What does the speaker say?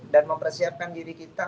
dan mempersiapkan diri kita